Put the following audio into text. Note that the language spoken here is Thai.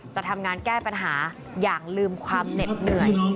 จะทำงานแก้ปัญหาอย่างลืมความเหน็ดเหนื่อย